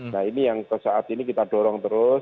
nah ini yang saat ini kita dorong terus